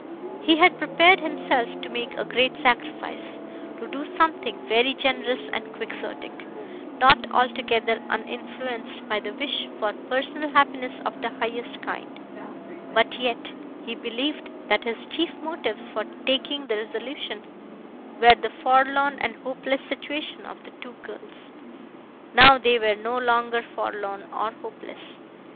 He had prepared himself to make a great sacrifice to do something very generous and Quixotic not altogether uninfluenced by the wish for personal happiness of the highest kind; but yet he believed that his chief motives for taking the resolution were the forlorn and hopeless situation of the two girls. Now they were no longer forlorn or hopeless.